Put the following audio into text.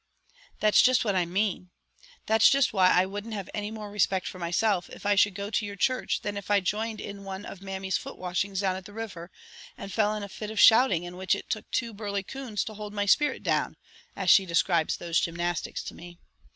"That's just what I mean. That's just why I wouldn't have any more respect for myself if I should go to your church than if I joined in one of Mammy's foot washings down at the river and fell in a fit of shouting in which it took two burly coons to 'hold my spirit down,' as she describes those gymnastics to me.